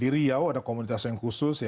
di riau ada komunitas yang khusus